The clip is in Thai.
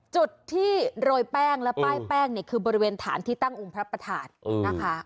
จุดที่โรยแป้งและป้ายแป้งคือบริเวณฐานที่ตั้งอุมพระประธาจ